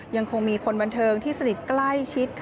ยังคงมีคนบันเทิงที่สนิทใกล้ชิด